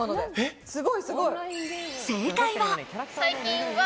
正解は。